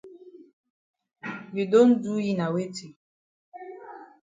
You don do yi na weti?